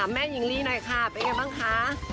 ขอแม่ยิงลีหน่อยค่ะไปเกินบ้างคะ